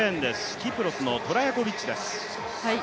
キプロスのトラヤコビッチです。